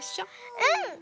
うん！